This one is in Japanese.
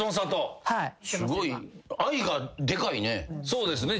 そうですね。